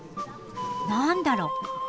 何だろう？